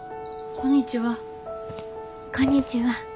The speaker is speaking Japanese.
こんにちは。